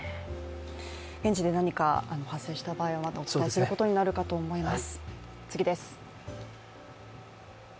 現地で何か発生した場合はまたお伝えすることになるかと思います。